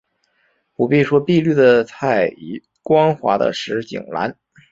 不必说碧绿的菜畦，光滑的石井栏